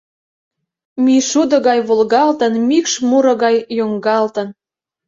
Мӱйшудо гай волгалтын, мӱкш муро гай йоҥгалтын.